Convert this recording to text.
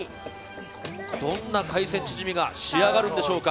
どんな海鮮チヂミが仕上がるんでしょうか。